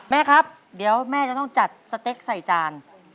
แม่ครับเดี๋ยวแม่จะต้องจัดสเต็กใส่จาน